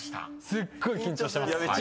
すっごい緊張してます。